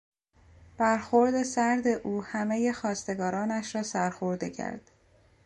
برخورد سرد او همهی خواستگارانش را سرخورده کرد.